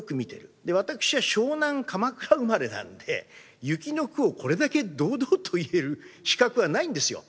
私は湘南鎌倉生まれなんで雪の句をこれだけ堂々と言える資格はないんですよ。